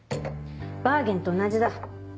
バーゲンと同じだ。